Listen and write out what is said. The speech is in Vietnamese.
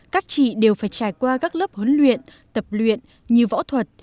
các chị đều phải trải qua các lớp huấn luyện tập luyện như võ thuật